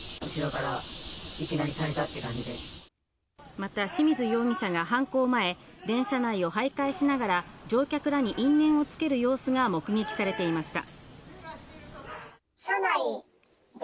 また清水容疑者が犯行前、電車内を徘徊しながら、乗客らに因縁をつける様子が目撃されていました。